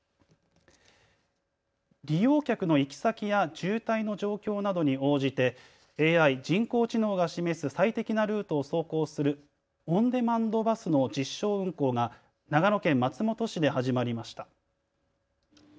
利用客の行き先や渋滞の状況などに応じてＡＩ・人工知能が示す最適なルートを走行するオンデマンドバスの実証運行が長野県松本市で始まりました。